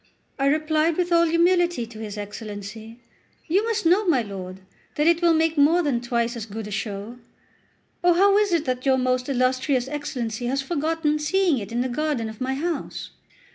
I replied with all humility to his Excellency: "You must know, my lord, that it will make more than twice as good a show. Oh, how is it that your most illustrious Excellency has forgotten seeing it in the garden of my house?